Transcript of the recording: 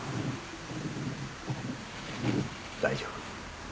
大丈夫。